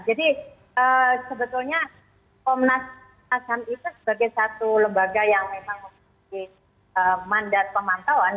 jadi sebetulnya komnas ham itu sebagai satu lembaga yang memang memiliki mandat pemantauan